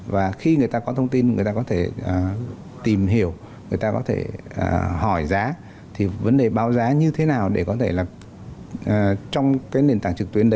và khi người ta có thông tin người ta có thể tìm hiểu người ta có thể hỏi giá thì vấn đề báo giá như thế nào để có thể là trong cái nền tảng trực tuyến đấy